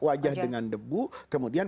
wajah dengan debu kemudian